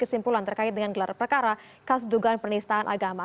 kami kesimpulan terkait dengan gelar pekara kas dugaan pernistaan agama